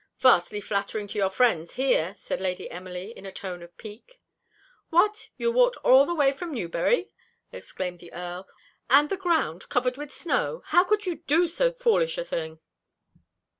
"Vastly flattering to your friends here," said Lady Emily in a tone of pique. "What! you walked all the way from Newberry," exclaimed the Earl, "and the ground covered with snow. How could you do so foolish a thing?"